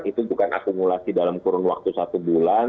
itu bukan akumulasi dalam kurun waktu satu bulan